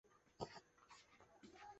默认的对局模式。